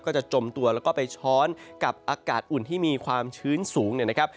จะจมตัวแล้วก็ไปช้อนกับอากาศอุ่นที่มีความชื้นสูงเนี่ยนะครับ